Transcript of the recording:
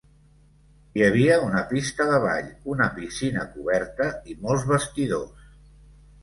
Hi havia una pista de ball, una piscina coberta i molts vestidors.